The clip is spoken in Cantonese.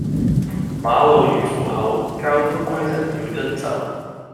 馬路如虎口，交通規則要遵守